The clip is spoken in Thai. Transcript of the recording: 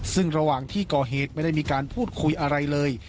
ซึ่งระหว่างที่ก่อเหตุไม่ได้มีการพูดคุยอะไรเลย